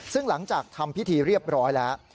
ซึ่งหลังจากทำพิธีเรียบร้อยแล้ว